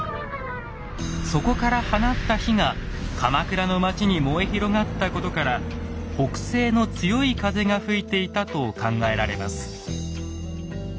そこから放った火が鎌倉の町に燃え広がったことから北西の強い風が吹いていたと考えられます。